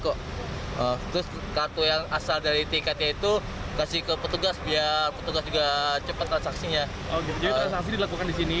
jadi transaksi dilakukan di sini